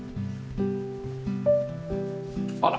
あら。